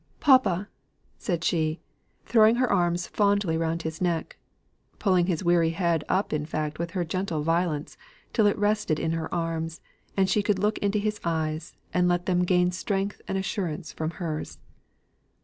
"Papa," said she, throwing her arms fondly round his neck; pulling his weary head up in fact with her gentle violence, till it rested in her arms, and she could look into his eyes, and let them gain strength and assurance from hers.